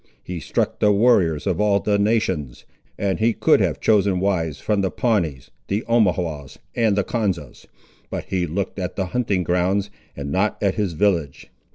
He struck the warriors of all the nations, and he could have chosen wives from the Pawnees, the Omawhaws, and the Konzas; but he looked at the hunting grounds, and not at his village.